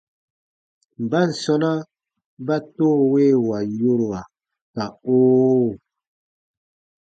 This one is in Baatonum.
Mban sɔ̃na ba “toowewa” yorua ka “oo”?